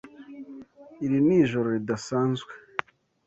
Iri ni ijoro ridasanzwe.